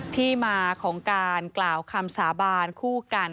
ที่มาของการกล่าวคำสาบานคู่กัน